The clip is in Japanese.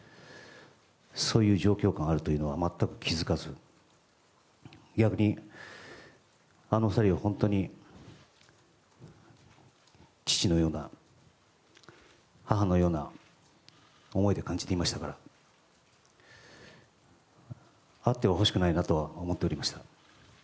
そういう状況があるということは全く気付かず、逆にあの２人を本当に父のような、母のような思いで感じていましたからあってはほしくないなとは思っておりました。